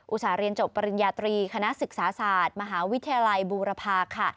ส่าหเรียนจบปริญญาตรีคณะศึกษาศาสตร์มหาวิทยาลัยบูรพาค่ะ